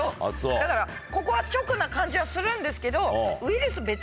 だからここは直な感じはするんですけど。